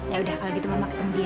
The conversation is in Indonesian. yaudah kalau gitu mama ketemu dia ya